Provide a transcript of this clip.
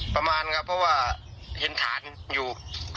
ประมาณครับเพราะว่าเห็นฐานอยู่